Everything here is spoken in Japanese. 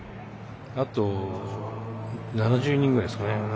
あと７０イニングぐらいですかね。